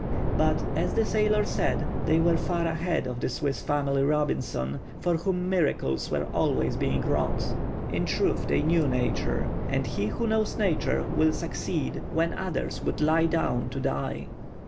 But, as the sailor said, they were far ahead of the Swiss Family Robinson, for whom miracles were always being wrought. In truth they knew Nature; and he who knows Nature will succeed when others would lie down to die.